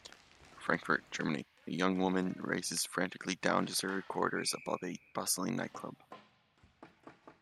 Frankfurt, Germany: A young woman races frantically down deserted corridors above a bustling nightclub.